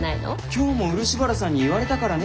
今日も漆原さんに言われたからね。